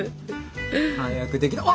早くできない。